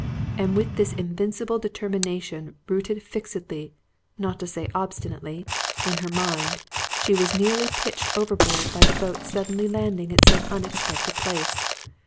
And with this invincible determination rooted fixedly, not to say obstinately, in her mind, she was nearly pitched overboard by the boat suddenly landing at some unexpected place.